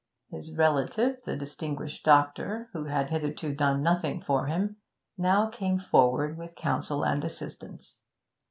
His relative, the distinguished doctor, who had hitherto done nothing for him, now came forward with counsel and assistance.